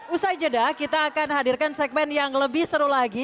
usai jeda kita akan hadirkan segmen yang lebih seru lagi